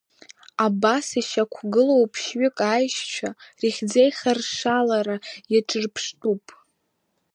Абас ишьақәгылоу ԥшьҩык аишьцәа рыхьӡеихаршалара иаҿырԥштәуп…